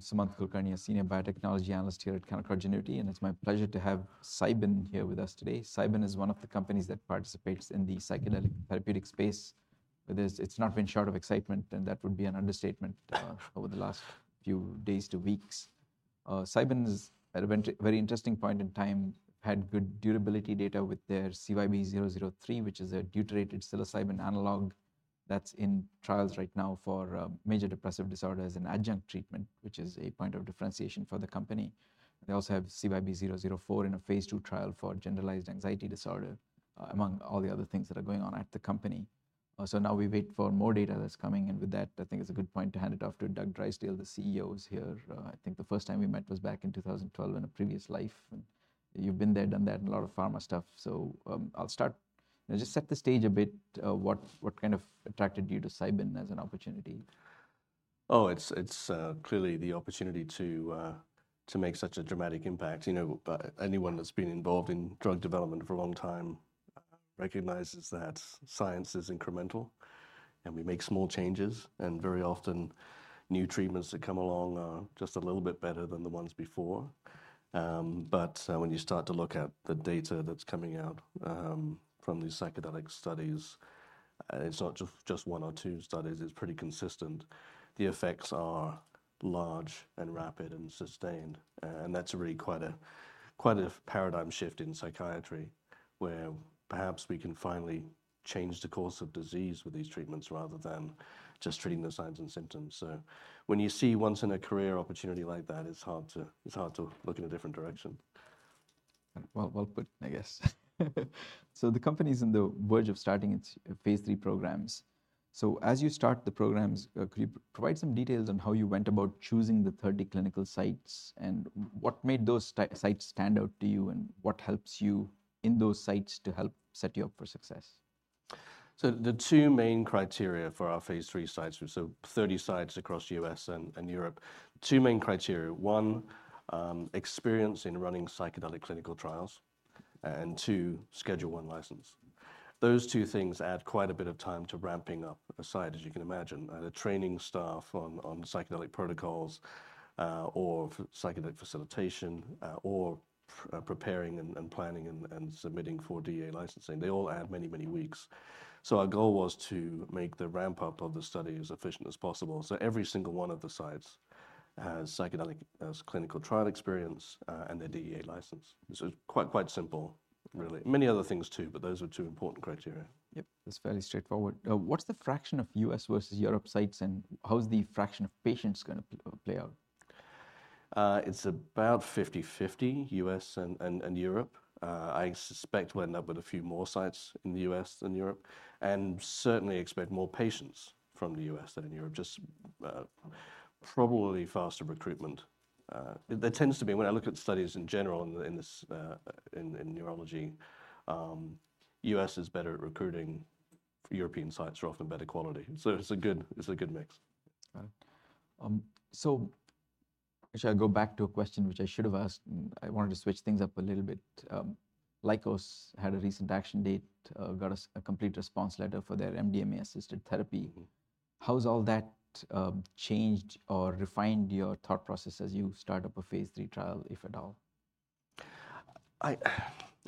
I'm Sumant Kulkarni, a senior biotechnology analyst here at Canaccord Genuity, and it's my pleasure to have Cybin here with us today. Cybin is one of the companies that participates in the psychedelic therapeutic space. It's not been short of excitement, and that would be an understatement over the last few days to weeks. Cybin's at a very, very interesting point in time, had good durability data with their CYB003, which is a deuterated psilocybin analog that's in trials right now for major depressive disorder as an adjunct treatment, which is a point of differentiation for the company. They also have CYB004 in a phase II trial for generalized anxiety disorder among all the other things that are going on at the company. So now we wait for more data that's coming in. With that, I think it's a good point to hand it off to Doug Drysdale, the CEO, who's here. I think the first time we met was back in 2012 in a previous life, and you've been there, done that, and a lot of pharma stuff. So, I'll start. Now, just set the stage a bit, what kind of attracted you to Cybin as an opportunity? Oh, it's clearly the opportunity to make such a dramatic impact. You know, anyone that's been involved in drug development for a long time recognizes that science is incremental, and we make small changes, and very often, new treatments that come along are just a little bit better than the ones before. But when you start to look at the data that's coming out from these psychedelic studies, it's not just one or two studies, it's pretty consistent. The effects are large and rapid and sustained, and that's really quite a paradigm shift in psychiatry, where perhaps we can finally change the course of disease with these treatments rather than just treating the signs and symptoms. So when you see a once in a career opportunity like that, it's hard to, it's hard to look in a different direction. Well, well put, I guess. So the company's on the verge of starting its phase III programs. So as you start the programs, could you provide some details on how you went about choosing the 30 clinical sites, and what made those sites stand out to you, and what helps you in those sites to help set you up for success? So the two main criteria for our phase III sites, so 30 sites across the U.S. and Europe. Two main criteria: one, experience in running psychedelic clinical trials, and two, Schedule I license. Those two things add quite a bit of time to ramping up a site, as you can imagine. Either training staff on psychedelic protocols, or psychedelic facilitation, or preparing and planning and submitting for DEA licensing. They all add many, many weeks. So our goal was to make the ramp-up of the study as efficient as possible. So every single one of the sites has psychedelic clinical trial experience, and their DEA license. So quite simple, really. Many other things, too, but those are two important criteria. Yep, that's fairly straightforward. What's the fraction of U.S. versus Europe sites, and how's the fraction of patients gonna play out? It's about 50/50, U.S. and Europe. I suspect we'll end up with a few more sites in the U.S. than Europe, and certainly expect more patients from the U.S. than in Europe. Just, probably faster recruitment. There tends to be... When I look at studies in general in neurology, U.S. is better at recruiting. European sites are often better quality. So it's a good, it's a good mix. So should I go back to a question which I should have asked? I wanted to switch things up a little bit. Lykos had a recent action date, got a complete response letter for their MDMA-assisted therapy. How has all that changed or refined your thought process as you start up a Phase III trial, if at all?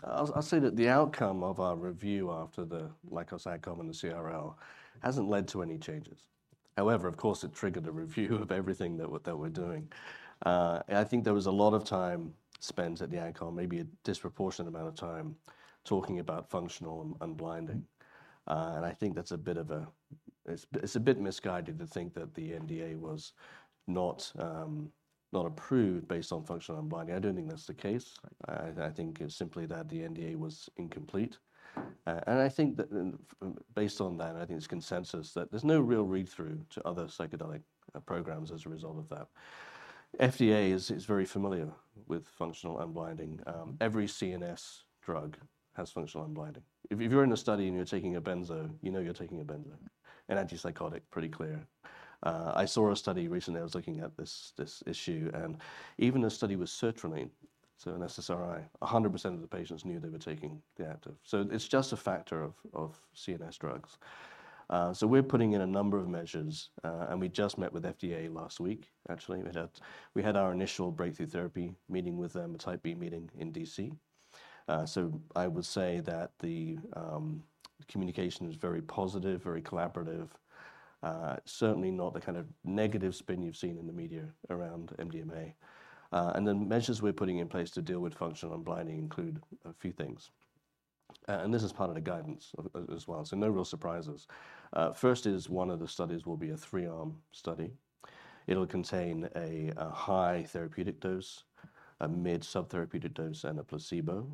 I'll say that the outcome of our review after the Lykos AdCom and the Complete Response Letter hasn't led to any changes. However, of course, it triggered a review of everything that we're doing. I think there was a lot of time spent at the icon, maybe a disproportionate amount of time, talking about functional unblinding. I think that's a bit of a... It's a bit misguided to think that the New Drug Application was not, not approved based on functional unblinding. I don't think that's the case. Right. I think it's simply that the NDA was incomplete. And I think that, based on that, and I think it's consensus, that there's no real read-through to other psychedelic programs as a result of that. FDA is very familiar with functional unblinding. Every CNS drug has functional unblinding. If you're in a study and you're taking a benzo, you know you're taking a benzo. An antipsychotic, pretty clear. I saw a study recently that was looking at this issue, and even a study with sertraline, so an SSRI, 100% of the patients knew they were taking the active. So it's just a factor of CNS drugs. So we're putting in a number of measures, and we just met with FDA last week, actually. We had our initial breakthrough therapy meeting with them, a Type B meeting in D.C. So I would say that the communication is very positive, very collaborative. Certainly not the kind of negative spin you've seen in the media around MDMA. And the measures we're putting in place to deal with functional unblinding include a few things, and this is part of the guidance as well, so no real surprises. First, one of the studies will be a three-arm study. It'll contain a high therapeutic dose, a mid subtherapeutic dose, and a placebo.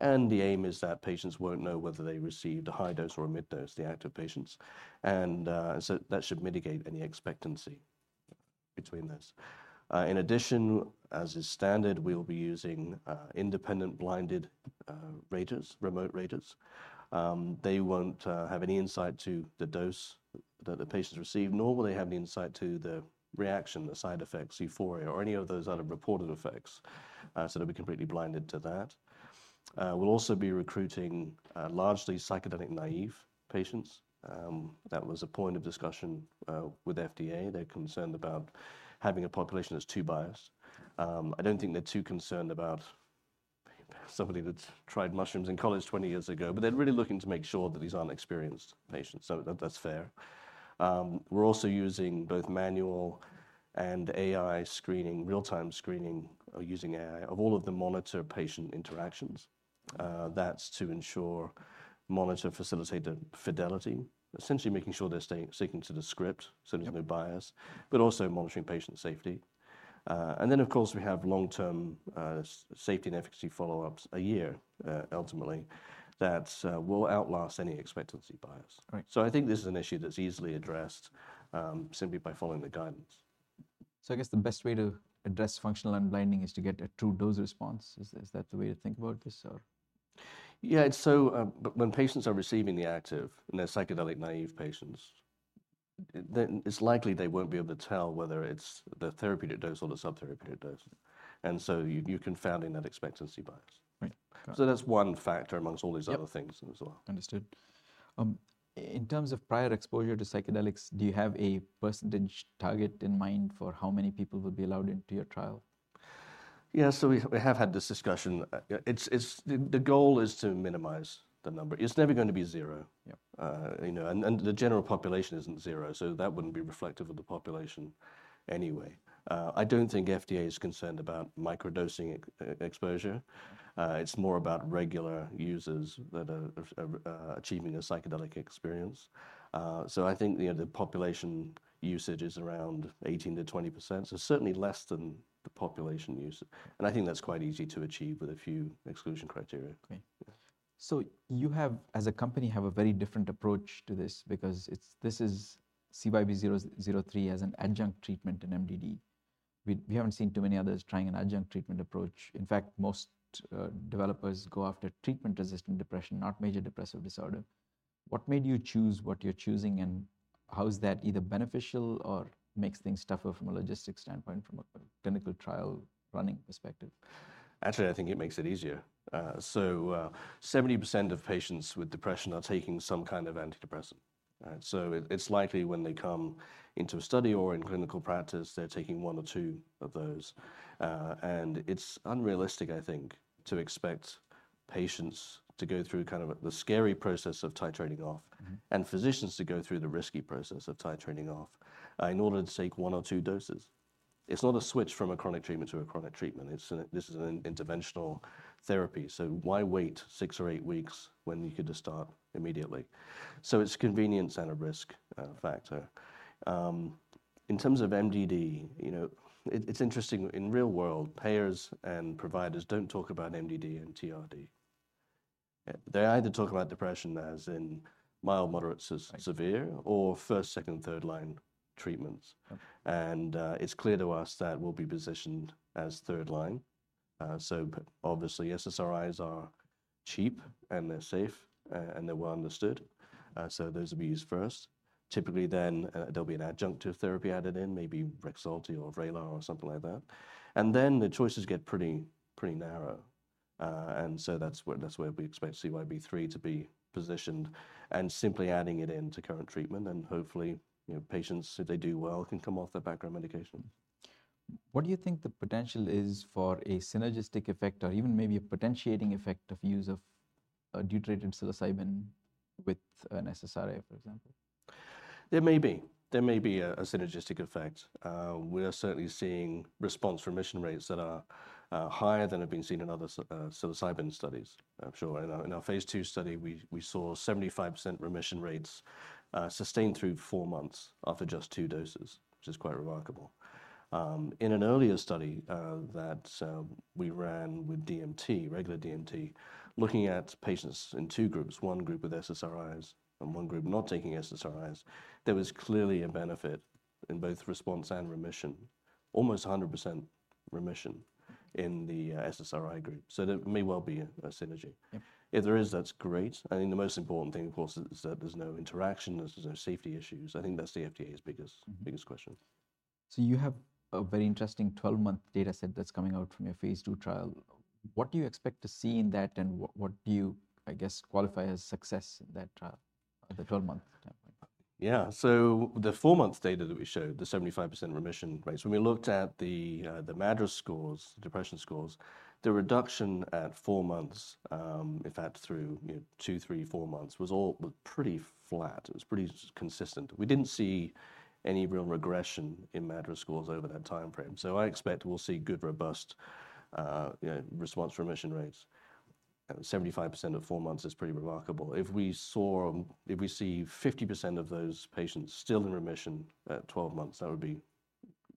And the aim is that patients won't know whether they received a high dose or a mid dose, the active patients. And so that should mitigate any expectancy between those. In addition, as is standard, we will be using independent, blinded raters, remote raters. They won't have any insight to the dose that the patients receive, nor will they have any insight to the reaction, the side effects, euphoria, or any of those other reported effects. So they'll be completely blinded to that. We'll also be recruiting largely psychedelic-naive patients. That was a point of discussion with FDA. They're concerned about having a population that's too biased. I don't think they're too concerned about somebody that's tried mushrooms in college 20 years ago, but they're really looking to make sure that these aren't experienced patients, so that's fair. We're also using both manual and AI screening, real-time screening using AI of all of the monitor-patient interactions. That's to ensure monitor-facilitated fidelity, essentially making sure they're sticking to the script. Yeah So there's no bias, but also monitoring patient safety. And then, of course, we have long-term safety and efficacy follow-ups a year, ultimately, that will outlast any expectancy bias. Right. So I think this is an issue that's easily addressed, simply by following the guidance. I guess the best way to address functional unblinding is to get a true dose response. Is that the way to think about this, or? Yeah, it's... So, but when patients are receiving the active, and they're psychedelic-naive patients, then it's likely they won't be able to tell whether it's the therapeutic dose or the subtherapeutic dose, and so you, you confound in that expectancy bias. Right. That's one factor among all these other things- Yep -as well. Understood. In terms of prior exposure to psychedelics, do you have a percentage target in mind for how many people will be allowed into your trial? Yeah, so we have had this discussion. It's the goal to minimize the number. It's never gonna be zero. Yep. You know, and the general population isn't zero, so that wouldn't be reflective of the population anyway. I don't think FDA is concerned about microdosing exposure. It's more about regular users that are achieving a psychedelic experience. So I think, you know, the population usage is around 18%-20%, so certainly less than the population usage, and I think that's quite easy to achieve with a few exclusion criteria. Okay. Yeah. So you have, as a company, a very different approach to this because it's, this is CYB003 as an adjunct treatment in MDD. We haven't seen too many others trying an adjunct treatment approach. In fact, most developers go after treatment-resistant depression, not major depressive disorder. What made you choose what you're choosing, and how is that either beneficial or makes things tougher from a logistics standpoint, from a clinical trial running perspective? Actually, I think it makes it easier. So, 70% of patients with depression are taking some kind of antidepressant. So it, it's likely when they come into a study or in clinical practice, they're taking one or two of those. And it's unrealistic, I think, to expect patients to go through kind of the scary process of titrating off- Mm-hmm... and physicians to go through the risky process of titrating off in order to take one or two doses. It's not a switch from a chronic treatment to a chronic treatment. It's an interventional therapy. So why wait 6 or 8 weeks when you could just start immediately? So it's convenience and a risk factor. In terms of MDD, you know, it's interesting, in real world, payers and providers don't talk about MDD and TRD. They either talk about depression as in mild, moderate, severe- Right... or first, second, third-line treatments. Okay. It's clear to us that we'll be positioned as third line. So but obviously, SSRIs are cheap, and they're safe, and they're well understood, so those will be used first. Typically, then, there'll be an adjunctive therapy added in, maybe Rexulti or Vraylar or something like that. And then, the choices get pretty, pretty narrow. And so that's where, that's where we expect CYB003 to be positioned, and simply adding it in to current treatment, and hopefully, you know, patients, if they do well, can come off their background medication. What do you think the potential is for a synergistic effect or even maybe a potentiating effect of use of a deuterated psilocin with an SSRI, for example? There may be. There may be a synergistic effect. We're certainly seeing response remission rates that are higher than have been seen in other psilocin studies, I'm sure. In our phase II study, we saw 75% remission rates, sustained through four months after just two doses, which is quite remarkable. In an earlier study that we ran with DMT, regular DMT, looking at patients in two groups, one group with SSRIs and one group not taking SSRIs, there was clearly a benefit in both response and remission. Almost 100% remission- Mm In the SSRI group, so there may well be a synergy. Okay. If there is, that's great. I think the most important thing, of course, is that there's no interaction, there's no safety issues. I think that's the FDA's biggest- Mm... biggest question. So you have a very interesting 12-month data set that's coming out from your phase II trial. What do you expect to see in that, and what, what do you, I guess, qualify as success in that trial, at the 12-month timeline? Yeah. So the 4-month data that we showed, the 75% remission rates, when we looked at the MADRS scores, depression scores, the reduction at 4 months, in fact, through, you know, 2, 3, 4 months, was all pretty flat. It was pretty consistent. We didn't see any real regression in MADRS scores over that time frame. So I expect we'll see good, robust, you know, response remission rates. 75% at 4 months is pretty remarkable. If we saw... If we see 50% of those patients still in remission at 12 months, that would be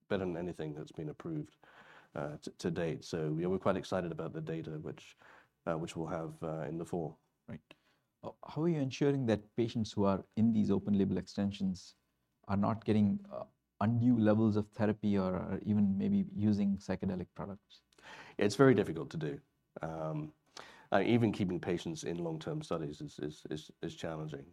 better than anything that's been approved to date. So yeah, we're quite excited about the data, which we'll have in the fall. Right. How are you ensuring that patients who are in these open-label extensions are not getting undue levels of therapy or even maybe using psychedelic products? ... It's very difficult to do. Even keeping patients in long-term studies is challenging.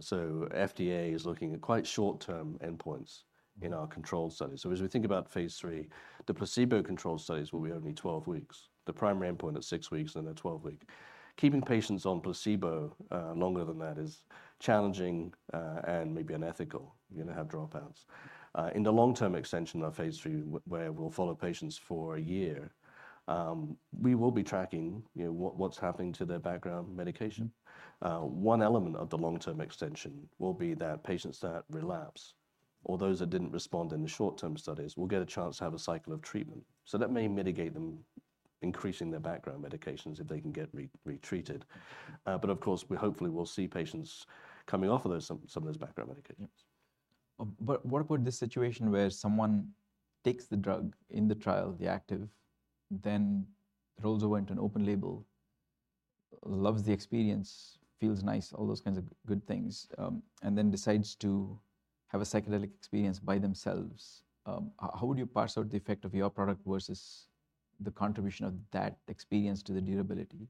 So FDA is looking at quite short-term endpoints in our controlled studies. So as we think about phase III, the placebo-controlled studies will be only 12 weeks. The primary endpoint is 6 weeks, then the 12-week. Keeping patients on placebo longer than that is challenging, and maybe unethical. You're gonna have dropouts. In the long-term extension of phase III, where we'll follow patients for a year, we will be tracking, you know, what's happening to their background medication. One element of the long-term extension will be that patients that relapse or those that didn't respond in the short-term studies will get a chance to have a cycle of treatment. So that may mitigate them increasing their background medications if they can get retreated. But of course, we hopefully will see patients coming off of those, some, some of those background medications. What about the situation where someone takes the drug in the trial, the active, then rolls over into an open label, loves the experience, feels nice, all those kinds of good things, and then decides to have a psychedelic experience by themselves? How would you parse out the effect of your product versus the contribution of that experience to the durability?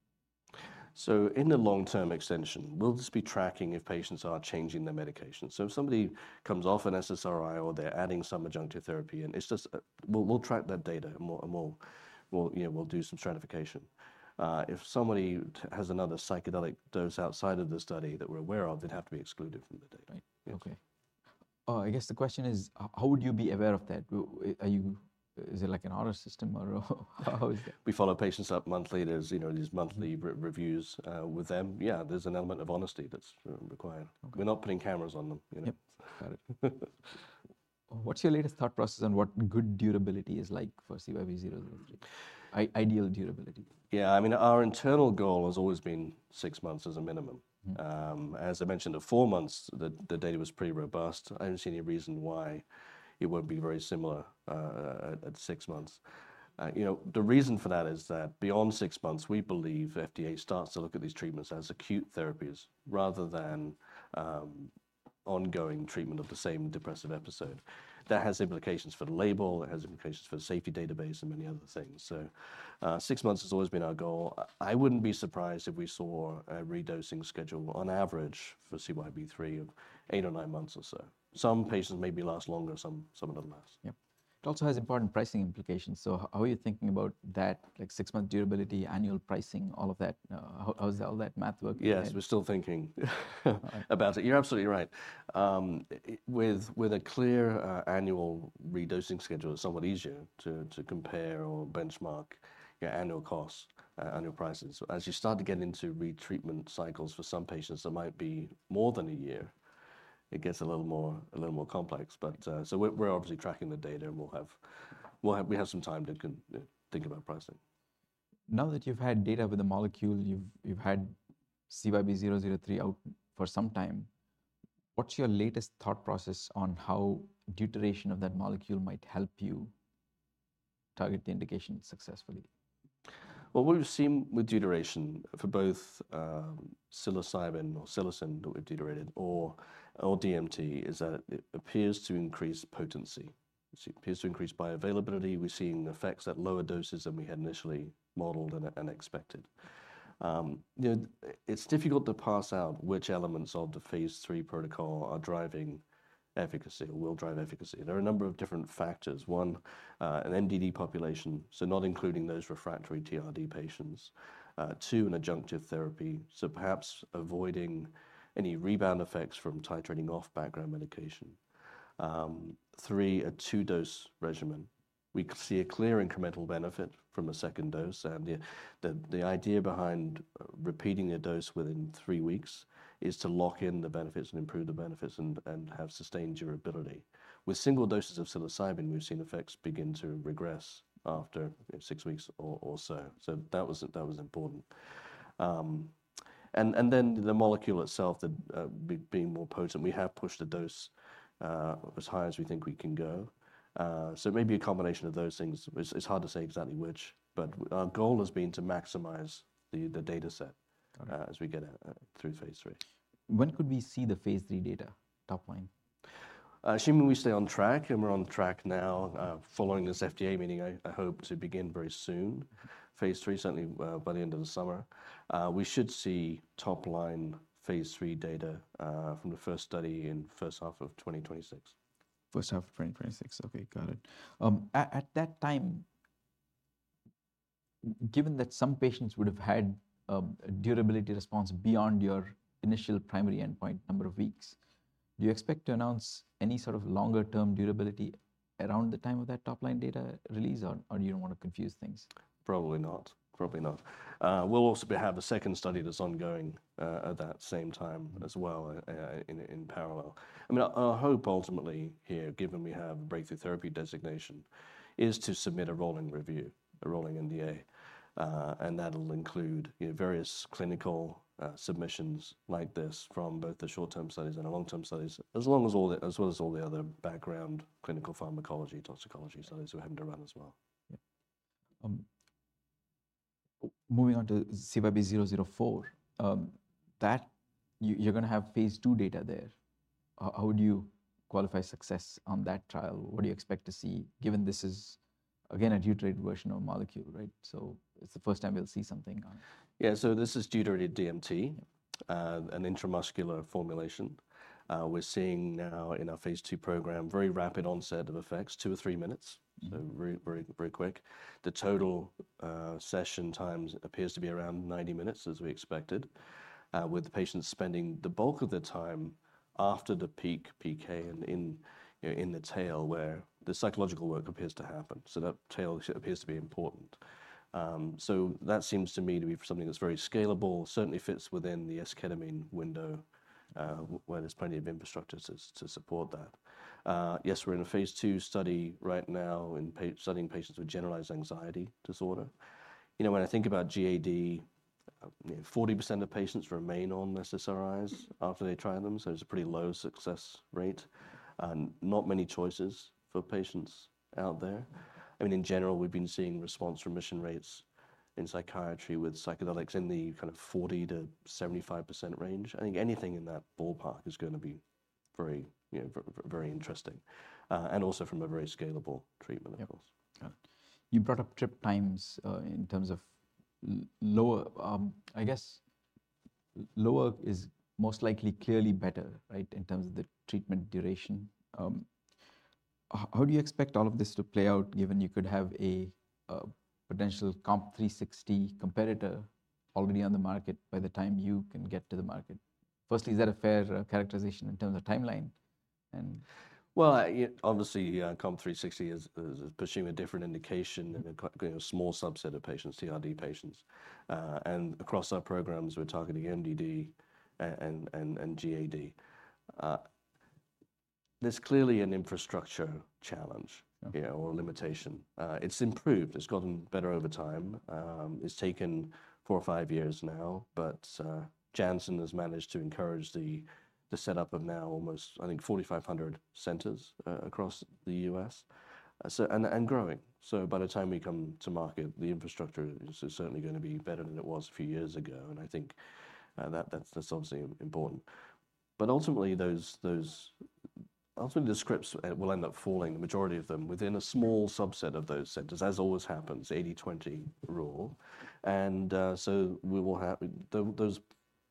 So in the long-term extension, we'll just be tracking if patients are changing their medication. So if somebody comes off an SSRI or they're adding some adjunctive therapy, and it's just, we'll track that data, and we'll do some stratification, you know. If somebody has another psychedelic dose outside of the study that we're aware of, they'd have to be excluded from the data. Right. Okay. I guess the question is, how would you be aware of that? Is it like an honor system or how is it? We follow patients up monthly. There's, you know, there's monthly reviews with them. Yeah, there's an element of honesty that's required. Okay. We're not putting cameras on them, you know? Yep. Got it. What's your latest thought process on what good durability is like for CYB003? Ideal durability. Yeah, I mean, our internal goal has always been six months as a minimum. Mm-hmm. As I mentioned, at 4 months, the data was pretty robust. I don't see any reason why it won't be very similar at 6 months. You know, the reason for that is that beyond 6 months, we believe FDA starts to look at these treatments as acute therapies rather than ongoing treatment of the same depressive episode. That has implications for the label, it has implications for the safety database and many other things. So, 6 months has always been our goal. I wouldn't be surprised if we saw a re-dosing schedule, on average, for CYB003 of 8 or 9 months or so. Some patients maybe last longer, some a little less. Yeah. It also has important pricing implications, so how are you thinking about that, like, six-month durability, annual pricing, all of that? How does all that math work? Yes, we're still thinking about it. You're absolutely right. With a clear annual re-dosing schedule, it's somewhat easier to compare or benchmark your annual cost, annual prices. As you start to get into retreatment cycles, for some patients, it might be more than a year. It gets a little more complex, but. So we're obviously tracking the data, and we have some time to think about pricing. Now that you've had data with the molecule, you've had CYB003 out for some time, what's your latest thought process on how duration of that molecule might help you target the indication successfully? What we've seen with duration for both psilocybin or psilocin deuterated or DMT is that it appears to increase potency. It appears to increase bioavailability. We're seeing effects at lower doses than we had initially modeled and expected. You know, it's difficult to parse out which elements of the phase III protocol are driving efficacy or will drive efficacy. There are a number of different factors. One, an MDD population, so not including those refractory TRD patients. Two, an adjunctive therapy, so perhaps avoiding any rebound effects from titrating off background medication. Three, a two-dose regimen. We see a clear incremental benefit from a second dose, and the idea behind repeating a dose within three weeks is to lock in the benefits and improve the benefits and have sustained durability. With single doses of psilocybin, we've seen effects begin to regress after six weeks or so. So that was important. And then the molecule itself, the being more potent, we have pushed the dose as high as we think we can go. So it may be a combination of those things. It's hard to say exactly which, but our goal has been to maximize the dataset- Got it As we get through phase III. When could we see the phase III data, top line? Assuming we stay on track, and we're on track now, following this FDA meeting, I hope to begin very soon, phase III, certainly, by the end of the summer. We should see top-line phase III data from the first study in first half of 2026. First half of 2026. Okay, got it. At that time, given that some patients would have had a durability response beyond your initial primary endpoint, number of weeks, do you expect to announce any sort of longer-term durability around the time of that top-line data release, or you don't want to confuse things? Probably not. Probably not. We'll also have a second study that's ongoing, at that same time as well, in parallel. I mean, our hope ultimately here, given we have Breakthrough Therapy designation, is to submit a rolling review, a rolling NDA. And that'll include, you know, various clinical submissions like this from both the short-term studies and the long-term studies, as well as all the other background clinical pharmacology, toxicology studies we're having to run as well. Yeah, moving on to CYB004, that you're gonna have phase II data there. How would you qualify success on that trial? What do you expect to see, given this is, again, a deuterated version of molecule, right? So it's the first time we'll see something on it. Yeah, so this is deuterated DMT, an intramuscular formulation. We're seeing now in our phase II program, very rapid onset of effects, 2 or 3 minutes. Mm. So very, very, very quick. The total session times appears to be around 90 minutes, as we expected, with the patients spending the bulk of their time after the peak PK in, you know, in the tail where the psychological work appears to happen. So that tail bit appears to be important. So that seems to me to be something that's very scalable, certainly fits within the esketamine window, where there's plenty of infrastructure to support that. Yes, we're in a phase II study right now, studying patients with generalized anxiety disorder. You know, when I think about GAD, you know, 40% of patients remain on SSRIs after they try them, so it's a pretty low success rate, and not many choices for patients out there. I mean, in general, we've been seeing response remission rates in psychiatry with psychedelics in the kind of 40%-75% range. I think anything in that ballpark is gonna be very, you know, very interesting, and also from a very scalable treatment, of course. Yeah. You brought up trip times in terms of lower, I guess lower is most likely clearly better, right? In terms of the treatment duration. How do you expect all of this to play out, given you could have a potential COMP360 competitor already on the market by the time you can get to the market? Firstly, is that a fair characterization in terms of timeline and- Well, yeah, obviously, COMP360 is pursuing a different indication and getting a small subset of patients, TRD patients. And across our programs, we're targeting MDD and GAD. There's clearly an infrastructure challenge- Mm. you know, or a limitation. It's improved. It's gotten better over time. It's taken four or five years now, but Janssen has managed to encourage the setup of now almost, I think, 4,500 centers across the U.S., so, and growing. So by the time we come to market, the infrastructure is certainly gonna be better than it was a few years ago, and I think that that's obviously important. But ultimately, those... Ultimately, the scripts will end up falling, the majority of them, within a small subset of those centers, as always happens, 80/20 rule. And so we will have the those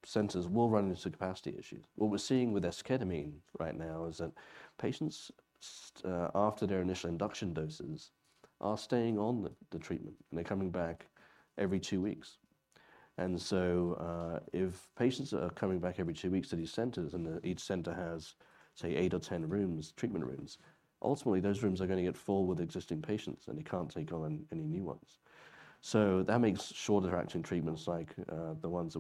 centers will run into capacity issues. What we're seeing with esketamine right now is that patients, after their initial induction doses, are staying on the treatment, and they're coming back every two weeks. And so, if patients are coming back every two weeks to these centers, and each center has, say, 8 or 10 rooms, treatment rooms, ultimately, those rooms are gonna get full with existing patients, and you can't take on any new ones. So that makes shorter-acting treatments like the ones that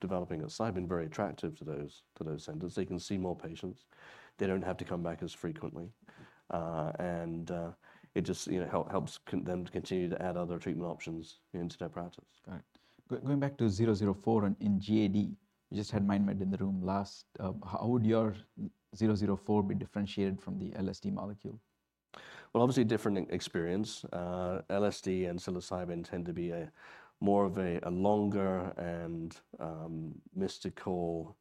we're developing at Cybin very attractive to those centers. They can see more patients. They don't have to come back as frequently. And it just, you know, helps convince them to continue to add other treatment options into their practice. Right. Going back to 004 and in GAD, you just had MindMed in the room last, how would your 004 be differentiated from the LSD molecule? Well, obviously different experience. LSD and psilocybin tend to be more of a longer and mystical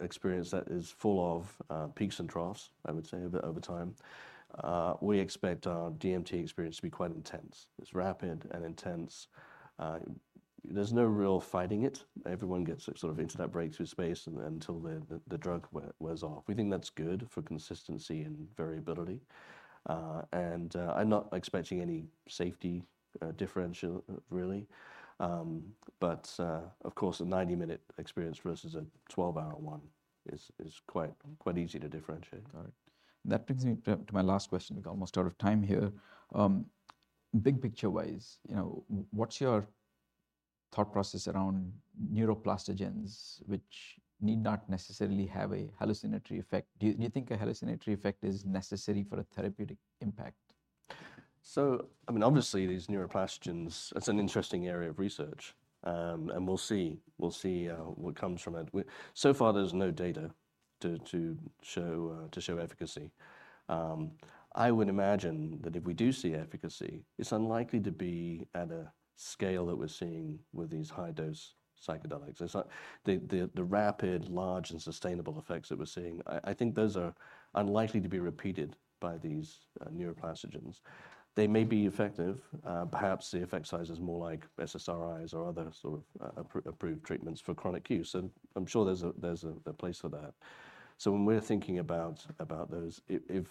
experience that is full of peaks and troughs, I would say, a bit over time. We expect our DMT experience to be quite intense. It's rapid and intense. There's no real fighting it. Everyone gets sort of into that breakthrough space until the drug wears off. We think that's good for consistency and variability. And I'm not expecting any safety differential, really. But of course, a 90-minute experience versus a 12-hour one is quite easy to differentiate. All right. That brings me to my last question. We're almost out of time here. Big picture-wise, you know, what's your thought process around neuroplasticgens, which need not necessarily have a hallucinatory effect? Do you think a hallucinatory effect is necessary for a therapeutic impact? So I mean, obviously, these neuroplasticgens, it's an interesting area of research. And we'll see. We'll see what comes from it. So far, there's no data to show efficacy. I would imagine that if we do see efficacy, it's unlikely to be at a scale that we're seeing with these high-dose psychedelics. It's not... The rapid, large, and sustainable effects that we're seeing, I think those are unlikely to be repeated by these neuroplasticgens. They may be effective. Perhaps the effect size is more like SSRIs or other sort of approved treatments for chronic use, and I'm sure there's a place for that. So when we're thinking about those, if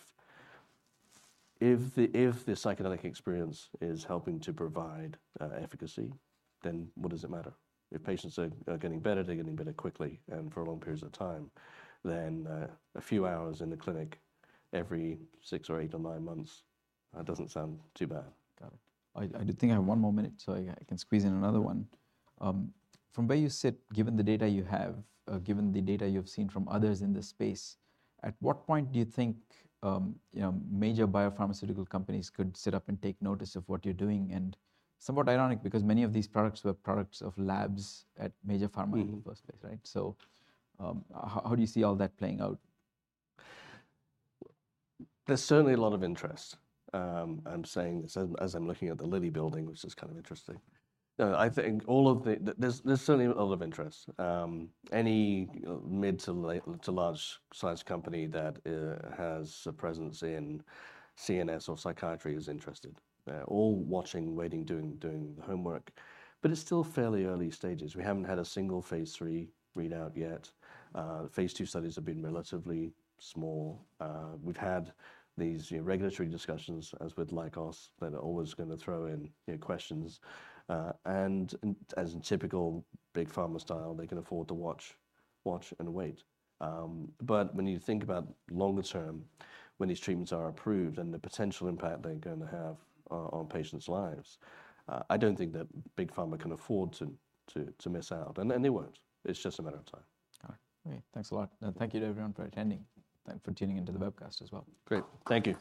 the psychedelic experience is helping to provide efficacy, then what does it matter? If patients are getting better, they're getting better quickly and for long periods of time, then a few hours in the clinic every six or eight or nine months doesn't sound too bad. Got it. I, I do think I have one more minute, so I, I can squeeze in another one. From where you sit, given the data you have, given the data you've seen from others in this space, at what point do you think, you know, major biopharmaceutical companies could sit up and take notice of what you're doing? And somewhat ironic, because many of these products were products of labs at major pharma- Mm in the first place, right? So, how do you see all that playing out? There's certainly a lot of interest. I'm saying this as I'm looking at the Lilly building, which is kind of interesting. I think there's certainly a lot of interest. Any mid- to large-sized company that has a presence in CNS or psychiatry is interested. They're all watching, waiting, doing homework, but it's still fairly early stages. We haven't had a single phase three readout yet. Phase two studies have been relatively small. We've had these, you know, regulatory discussions, as with Lykos, that are always gonna throw in, you know, questions. And as in typical big pharma style, they can afford to watch and wait. But when you think about longer term, when these treatments are approved and the potential impact they're going to have on patients' lives, I don't think that big pharma can afford to miss out, and they won't. It's just a matter of time. All right. Great. Thanks a lot, and thank you to everyone for attending. Thank you for tuning into the webcast as well. Great. Thank you.